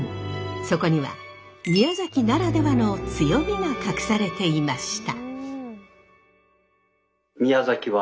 そこには宮崎ならではの強みが隠されていました。